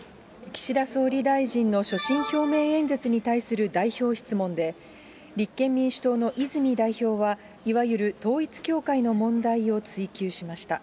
岸田総理大臣の所信表明演説に対する代表質問で、立憲民主党の泉代表は、いわゆる統一教会の問題を追及しました。